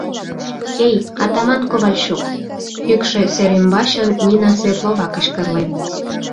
— Эй, атаман Ковальчук! — кӱкшӧ сер ӱмбачын Нина Светлова кычкырлен.